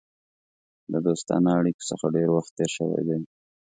د دوستانه اړېکو څخه ډېر وخت تېر شوی دی.